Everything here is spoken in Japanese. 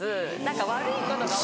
何か悪いことが。